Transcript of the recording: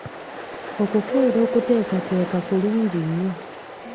Okukeera okuteekateeka kulungi nnyo.